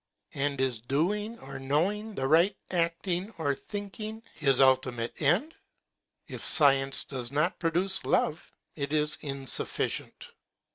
And is doing or knowing the right, acting or thinking, his ultimate end? If science does not pro duce love it is insufficient.